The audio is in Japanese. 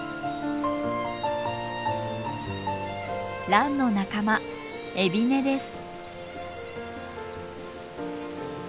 ランの仲間エビネです。